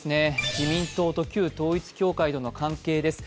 自民党と旧統一教会との関係です。